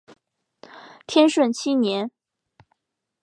天顺七年。